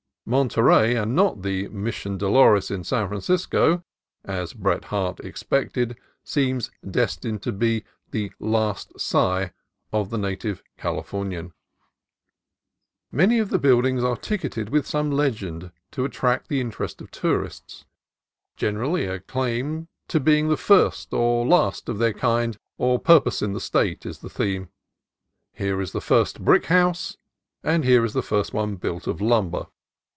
Monterey, and not the Mission Dolores in San Francisco, as Bret Harte expected, seems "destined to be 'The Last Sigh' of the native Calif ornian." Many of the buildings are ticketed with some legend to attract the interest of tourists. Generally a claim to being the first or the last of their kind or purpose in the State is the theme. Here is the first brick house, and here the first one built of lumber.